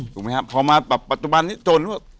ถูกมั้ยครับพอมาปัจจุบันนี้โจรนึกว่า